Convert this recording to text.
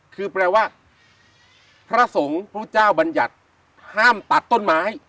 คือแปลว่าพระสงฆ์พระเจ้าบัญญัติห้ามตัดต้นไม้